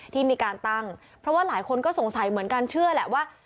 ที่มีการตั้งเพราะว่าหลายคนก็สงสัยเหมือนกันเชื่อแหละว่า